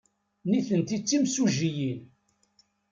Nitenti d timsujjiyin.